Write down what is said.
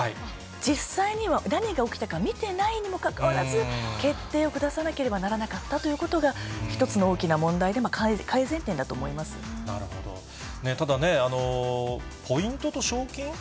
実際には何が起きたか見てないにもかかわらず、決定を下さなければならなかったというのが、１つの大きな問題で、ただね、ポイントと賞金。